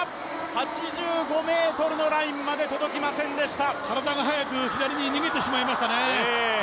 ８５ｍのラインまで届きませんでしたからだが早く左に逃げてしまいましたね。